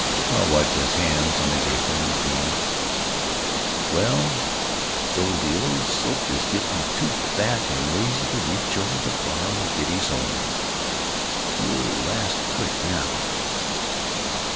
Carl wiped his hands on his apron and beamed: "Well, so the old soak is getting too fat and lazy to reach over on the bar and get his own! You'll last quick now!"